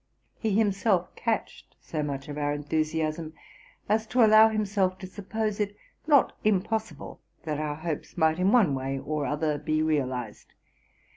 He himself catched so much of our enthusiasm, as to allow himself to suppose it not impossible that our hopes might in one way or other be realised.